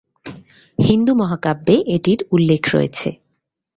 হিন্দু মহাকাব্যে এটির উল্লেখ রয়েছে।